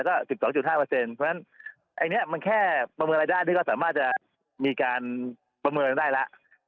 ก็๑๒๕เปอร์เซ็นต์ไอ้นี้มันแค่ประเมินไลภัยก็สามารถจะมีการประเมินได้แล้ว